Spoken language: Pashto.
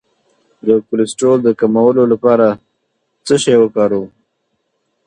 د کولیسټرول د کمولو لپاره څه شی وکاروم؟